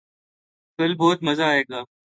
کل بہت مزہ آئے گا